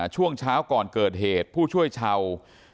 ช่วงเช้าก่อนเกิดเหตุผู้ช่วยเช่า